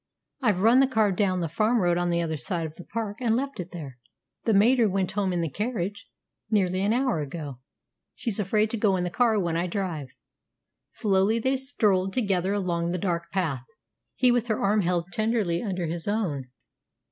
I've run the car down the farm road on the other side of the park, and left it there. The mater went home in the carriage nearly an hour ago. She's afraid to go in the car when I drive." Slowly they strolled together along the dark path, he with her arm held tenderly under his own.